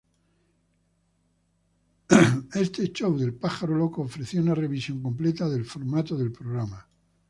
Este Show del Pájaro Loco ofrecía una revisión completa del formato del programa.